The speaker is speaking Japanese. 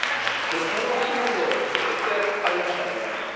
その押し問答がずっとありましたね。